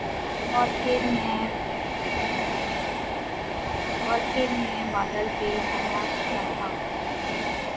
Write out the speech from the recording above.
اور پھر میں بادل پہ سایہ کرتا تھا